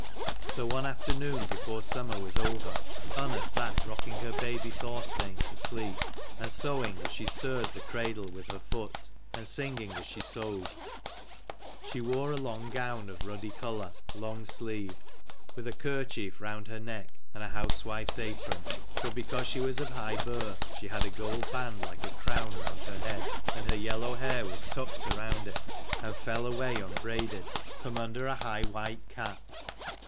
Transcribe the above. So one afternoon before summer was over, Unna sat rocking her baby Thorstein to sleep, and sewing as she stirred the cradle with her foot, and singing as she sewed. She wore a long gown of ruddy colour, long sleeved ; with a kerchief round her neck, and a housewife's apron ; but because she was of high birth, she had a gold band like a crown round her head, and her yellow hair was tucked around it and 3 fell away unbraided from under a high white cap.